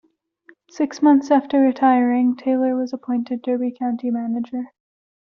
Six months after retiring, Taylor was appointed Derby County manager.